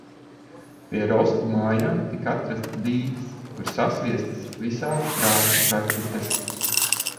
Pie Rosku mājām tika atrasts dīķis, kur sasviestas visādu krāsu raķetes.